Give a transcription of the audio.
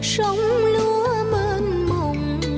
sông lúa mênh mộng